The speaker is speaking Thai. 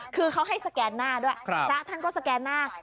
คือเขาให้สแกนหน้าด้วยพระท่านก็สแกนหน้า